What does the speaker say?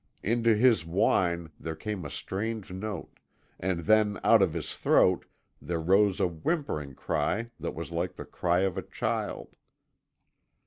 Into his whine there came a strange note, and then out of his throat there rose a whimpering cry that was like the cry of a child.